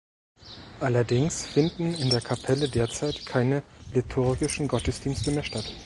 Allerdings finden in der Kapelle derzeit keine liturgischen Gottesdienste mehr statt.